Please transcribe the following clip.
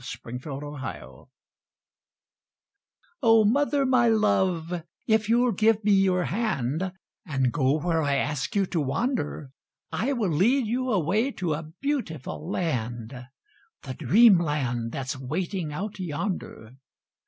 MOTHER AND I O Mother My Love, if you'll give me your hand, And go where I ask you to wander, I will lead you away to a beautiful land The Dreamland that's waiting out yonder.